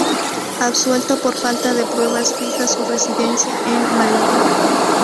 Absuelto por falta de pruebas fija su residencia en Málaga.